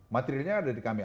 materialnya ada di kami